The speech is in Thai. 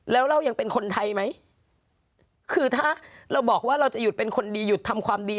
แล้วเรายังเป็นคนไทยไหมคือถ้าเราบอกว่าเราจะหยุดเป็นคนดีหยุดทำความดี